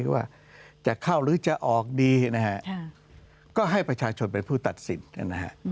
ว่าจะเข้าหรือจะออกดีนะฮะก็ให้ประชาชนเป็นผู้ตัดสินนะฮะ